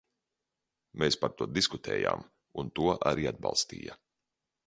Mēs par to diskutējām, un to arī atbalstīja.